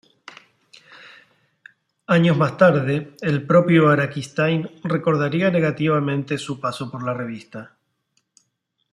Años más tarde el propio Araquistáin recordaría negativamente su paso por la revista.